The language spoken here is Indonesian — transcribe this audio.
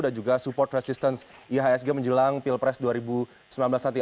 dan juga support resistance ihsg menjelang pilpres dua ribu sembilan belas nanti